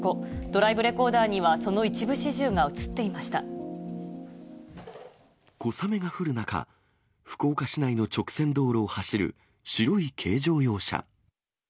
ドライブレコーダーには、小雨が降る中、福岡市内の直線道路を走る白い軽乗用車。